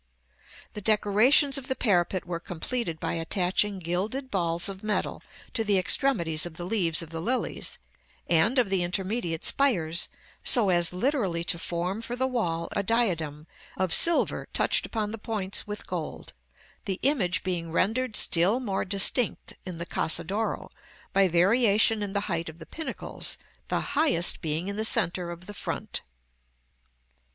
§ XIV. The decorations of the parapet were completed by attaching gilded balls of metal to the extremities of the leaves of the lilies, and of the intermediate spires, so as literally to form for the wall a diadem of silver touched upon the points with gold; the image being rendered still more distinct in the Casa d' Oro, by variation in the height of the pinnacles, the highest being in the centre of the front.